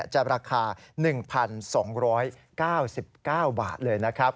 จะราคา๑๒๙๙บาทเลยนะครับ